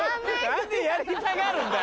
何でやりたがるんだ？